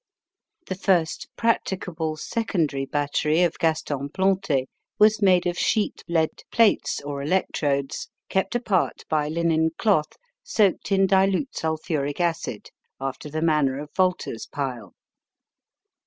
The first practicable secondary battery of Gaston Plante was made of sheet lead plates or electrodes, kept apart by linen cloth soaked in dilute sulphuric acid, after the manner of Volta's pile.